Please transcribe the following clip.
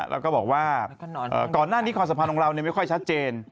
เราก็บอกว่าก่อนหน้านี้ความสำคัญของเราเนี่ยไม่ค่อยชัดเจน